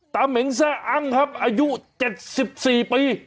เหม็งแซ่อั้งครับอายุ๗๔ปี